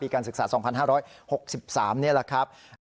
การศึกษา๒๕๖๓นี่แหละครับ